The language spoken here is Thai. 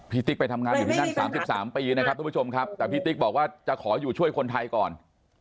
ติ๊กไปทำงานอยู่ที่นั่น๓๓ปีนะครับทุกผู้ชมครับแต่พี่ติ๊กบอกว่าจะขออยู่ช่วยคนไทยก่อน